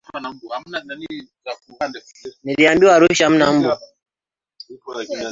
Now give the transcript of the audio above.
kuna maajabu mengi ni msitu unaopatika katika